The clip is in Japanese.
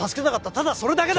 ただそれだけだ！